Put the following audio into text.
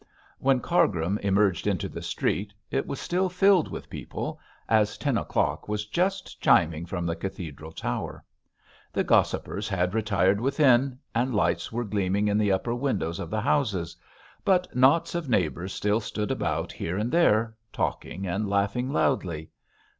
When Cargrim emerged into the street it was still filled with people, as ten o'clock was just chiming from the cathedral tower. The gossipers had retired within, and lights were gleaming in the upper windows of the houses; but knots of neighbours still stood about here and there, talking and laughing loudly.